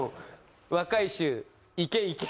「若い衆いけいけ」。